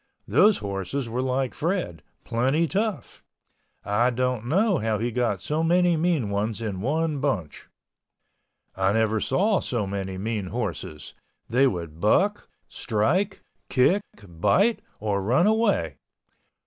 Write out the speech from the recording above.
Those horses were like Fred—plenty tough. I don't know how he got so many mean ones in one bunch. I never saw so many mean horses—they would buck, strike, kick, bite, or run away.